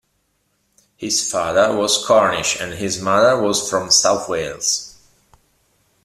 His father was Cornish and his mother was from South Wales.